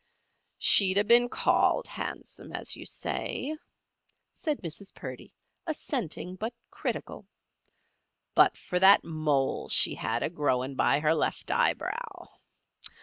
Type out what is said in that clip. "She'd a been called handsome, as you say," said Mrs. Purdy, assenting but critical, "but for that mole she had a growin' by her left eyebrow.